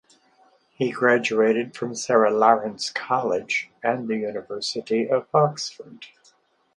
He graduated from Sarah Lawrence College and the University of Oxford.